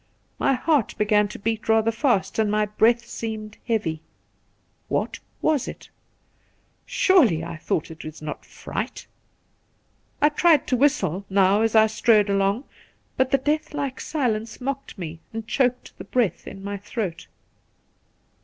My heart began to beat rather fast, and my breath seemed heavy. What was it ? Surely, I thought, it is not fright ? I tried to whistle now as I strode along, but the death like silence mocked me and choked the breath in my throat.